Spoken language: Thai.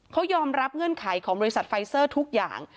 เขายอมรับเงื่อนไขของบริษัทไฟเซอร์ทุกอย่าง